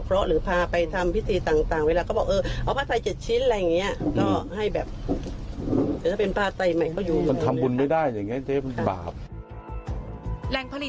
แรงผลิตไตรจีวอน